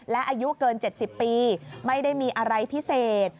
และอายุเกิน๗๐ปีไม่ได้มีอะไรพิเศษ